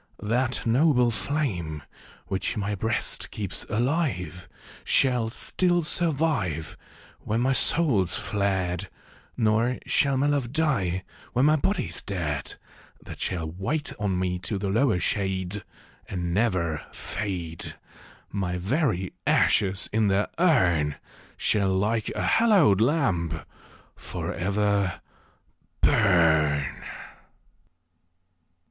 That noble flame, which my Ijreast keeps alive. Shall still survive Wlien my soul's fled ; Nor shall my love die, when ray Ijody's dead ; That shall wait on me to the lower shade, And never fade : My very ashes in their urn Shall, like a hallowed lamp, for ever burn.